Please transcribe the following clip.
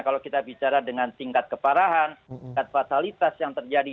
kalau kita bicara dengan tingkat keparahan tingkat fatalitas yang terjadi